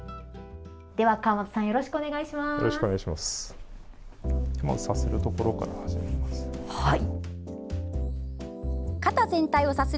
では川本さんよろしくお願いします。